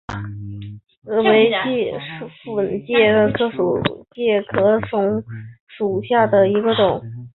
野桐蚁粉介壳虫为粉介壳虫科蚁粉介壳虫属下的一个种。